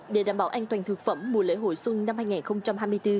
để đảm bảo an toàn thực phẩm mùa lễ hội xuân năm hai nghìn hai mươi bốn